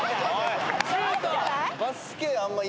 シュート！